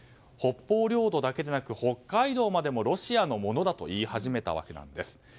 北方領土だけでなく北海道までもロシアのものだと言い始めたわけなんです。